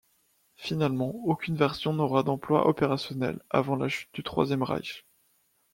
Finalement aucune version n'aura d'emploi opérationnel avant la chute du Troisième Reich.